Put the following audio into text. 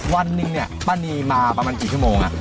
วันหนึ่งเนี่ยป้านีมาประมาณกี่ชั่วโมง